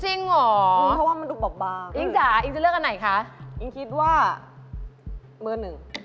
จริงเหรอเพราะว่ามันดูเบาอิ๊งจ๋าอิ๊งจะเลือกอันไหนคะอิ๊งคิดว่ามือหนึ่ง